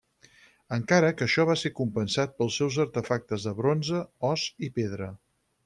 Encara que això va ser compensat pels seus artefactes de bronze, os i pedra.